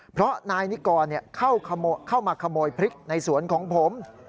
เพราะนายนิกรเข้ามาขโมยพริกในสวนของผม